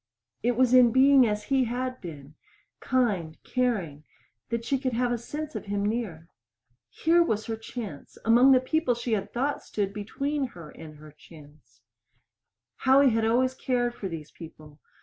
It was in being as he had been kind, caring that she could have a sense of him near. Here was her chance among the people she had thought stood between her and her chance. Howie had always cared for these people.